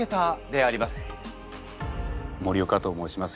森岡と申します。